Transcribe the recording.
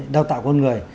đào tạo con người